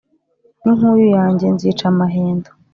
n'inkuyu yanjye nzica amahendo.